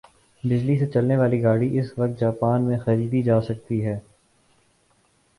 بجلی سے چلنے والی گاڑی اس وقت جاپان میں خریدی جاسکتی ھے